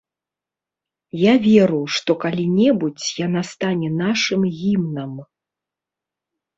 Я веру, што калі-небудзь яна стане нашым гімнам.